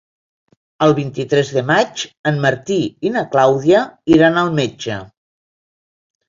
El vint-i-tres de maig en Martí i na Clàudia iran al metge.